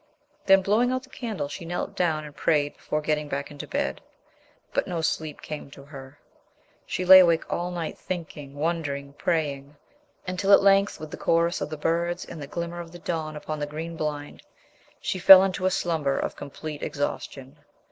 Then, blowing out the candle, she knelt down and prayed before getting back into bed. But no sleep came to her. She lay awake all night thinking, wondering, praying, until at length with the chorus of the birds and the glimmer of the dawn upon the green blind, she fell into a slumber of complete exhaustion.